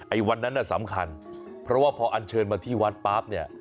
วันนั้นน่ะสำคัญเพราะว่าพออันเชิญมาที่วัดปั๊บเนี่ย